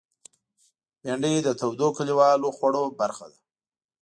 بېنډۍ د تودو کلیوالو خوړو برخه ده